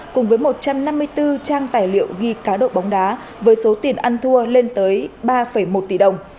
cùng với một trăm năm mươi bốn trang tài liệu ghi cá độ bóng đá với số tiền ăn thua lên tới ba một tỷ đồng